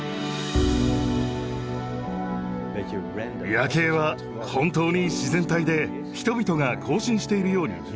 「夜警」は本当に自然体で人々が行進しているように見えます。